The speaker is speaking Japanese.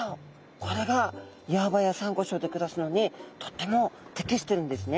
これが岩場やサンゴ礁で暮らすのにとっても適してるんですね。